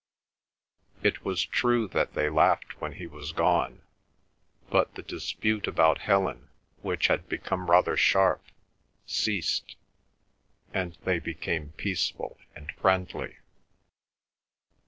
It was true that they laughed when he was gone; but the dispute about Helen which had become rather sharp, ceased, and they became peaceful and friendly.